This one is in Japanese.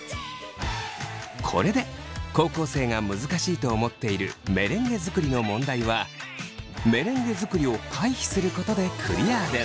これで高校生が難しいと思っているメレンゲ作りの問題はメレンゲ作りを回避することでクリアです。